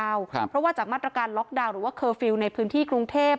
เพราะว่าจากมาตรการล็อกดาวน์หรือว่าเคอร์ฟิลล์ในพื้นที่กรุงเทพ